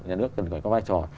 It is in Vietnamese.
nhà nước cần phải có vai trò